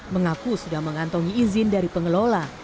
mengaku sudah mengantongi izin dari pengelola